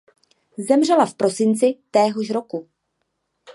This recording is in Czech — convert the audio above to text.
Zemřela v prosinci téhož roku.